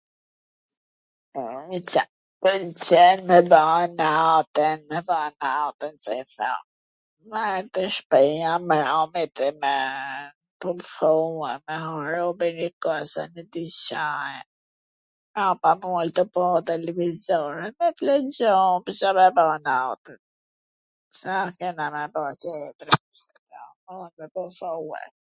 E Ca m pwlqen me ba natwn, me ba natwn ... me ndenj te shpia tu msue me hangwr robi njw kos a njw diCka apo m u ul tu pa televizor, fle gjum, Ca me ba natwn, Ca kena me bo tjetwr ...